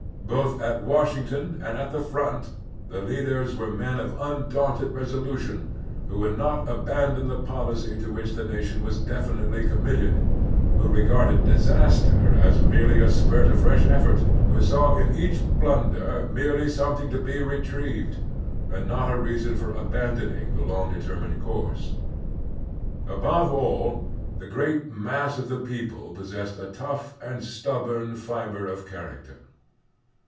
Both at Washington and at the front the leaders were men of undaunted reso lution, who would not abandon the policy to which the nation was definitely committed, who regarded disaster as merely a spur to fresh effort, who saw in each blunder merely something to be retrieved, and not a reason for abandoning the long determined course. Above all, the great mass of the people possessed a tough and stub bom fiber of character.